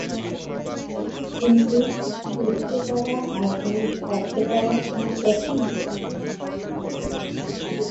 কিন্তু বুঝতে পারা, আর ভুল ছাড়তে পারা কি একই?